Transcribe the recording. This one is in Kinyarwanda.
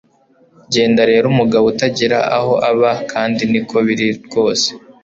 Genda rero umugabo utagira aho aba kandi niko biri rwose